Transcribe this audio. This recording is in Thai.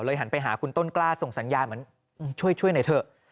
หันไปหาคุณต้นกล้าส่งสัญญาณเหมือนช่วยหน่อยเถอะ